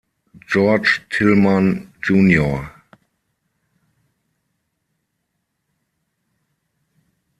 George Tillman, Jr.